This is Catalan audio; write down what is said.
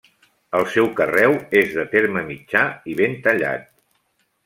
El seu carreu és de terme mitjà i ben tallat.